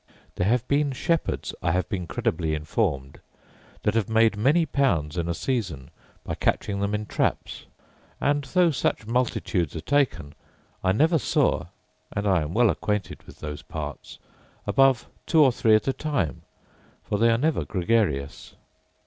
There have been shepherds, I have been credibly informed, that have made many pounds in a season by catching them in traps. And though such multitudes are taken, I never saw (and I am well acquainted with those parts) above two or three at a time: for they are never gregarious.